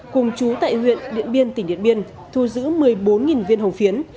cùng chú tại huyện điện biên tỉnh điện biên thu giữ một mươi bốn viên hồng phiến